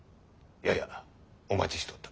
ややお待ちしとった。